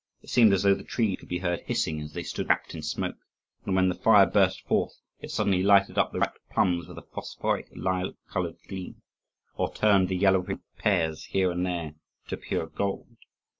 It seemed as though the trees could be heard hissing as they stood wrapped in smoke; and when the fire burst forth, it suddenly lighted up the ripe plums with a phosphoric lilac coloured gleam, or turned the yellowing pears here and there to pure gold.